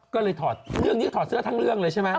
ก็เลยถอดเรื่องนี้ถอดเสื้อทั้งเรื่องเลยใช่ไหม